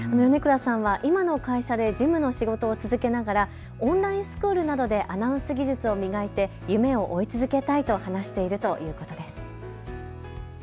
今の会社で事務の仕事を続けながらオンラインスクールなどでアナウンスの技術を磨いて夢をかなえたいと話していることです。